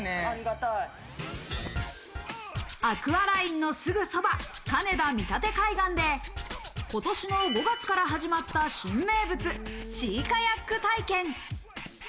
アクアラインのすぐそば、金田みたて海岸で今年５月から始まった新名物シーカヤック体験。